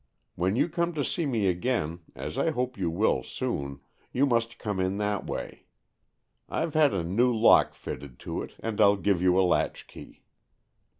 When you come to see me again, as I hope you will soon, you must come in that way. Fve had a new lock fitted to it, and Pll give you a latchkey."